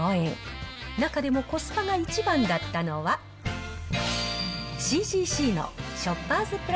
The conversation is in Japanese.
中でもコスパが１番だったのは、ＣＧＣのショッパーズ